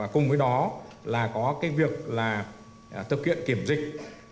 cùng với đó là có việc thực hiện kiểm dịch